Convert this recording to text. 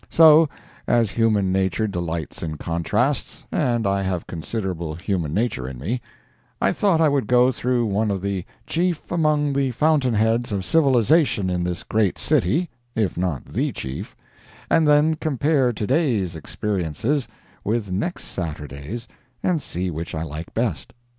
So, as human nature delights in contrasts, and I have considerable human nature in me, I thought I would go through one of the chief among the fountain heads of civilization in this great city, (if not the chief,) and then compare to day's experiences with next Saturday's, and see which I like best.